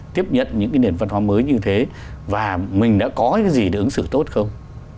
tiếp nhận những cái nền văn hóa mới như thế và mình đã có cái gì để ứng xử tốt không